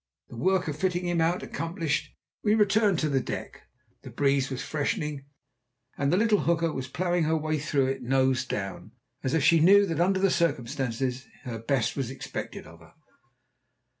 The work of fitting him out accomplished, we returned to the deck. The breeze was freshening, and the little hooker was ploughing her way through it, nose down, as if she knew that under the circumstances her best was expected of her.